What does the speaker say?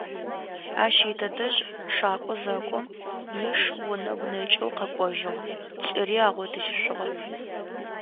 Ащ итэтэжъ шакӏо зэкӏом, иш онэгу нэкӏэу къэкӏожыгъ, лӏыри агъотыжьышъугъэп.